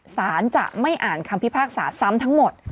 สารจะไม่อ่านคำพิพากษาซ้ำทั้งหมด